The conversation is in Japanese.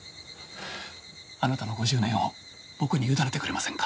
あなたの５０年を僕に委ねてくれませんか？